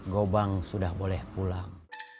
gobang sudah boleh pulang